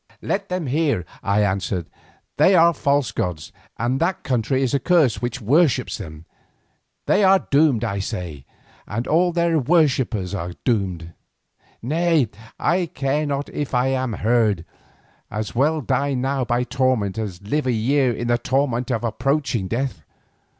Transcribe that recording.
"Let them hear," I answered. "They are false gods and that country is accursed which worships them. They are doomed I say, and all their worshippers are doomed. Nay, I care not if I am heard—as well die now by torment as live a year in the torment of approaching death.